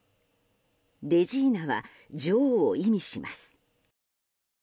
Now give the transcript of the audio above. レジーナは女王を意味します。